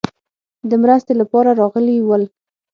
د مرستې لپاره راغلي ول.